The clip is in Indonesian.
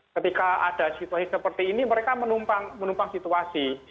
ketika ada situasi seperti ini mereka menumpang situasi